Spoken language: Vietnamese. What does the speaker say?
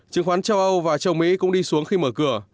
chứng khoán châu âu và châu mỹ cũng đi xuống khi mở cửa